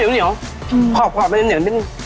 นุ่มเหนียวขอบเป็นเหนียวอร่อย